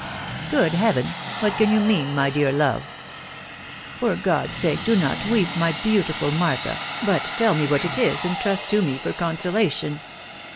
" Good heaven !,•. What can you mean, my dear love £... For God's sake, do not weep, my beautiful Martha, but tell me what it is, and trust to me for consolation."